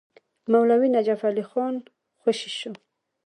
مولوي نجف علي خان خوشي شو.